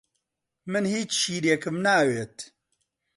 من هیچ شیرێکم ناوێت.